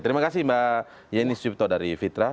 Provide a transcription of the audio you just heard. terima kasih mbak yeni sucipto dari fitra